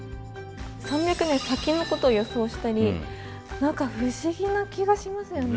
３００年先のことを予想したり何か不思議な気がしますよね。